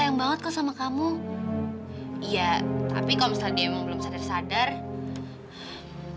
ya mungkin tuhan masih pingin ngasih kamu cowok yang lebih baik daripada dia prita